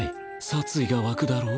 殺意が湧くだろ？